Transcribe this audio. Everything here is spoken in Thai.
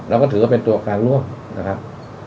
เราก็ถือว่าเป็นตัวการร่วมนะครับ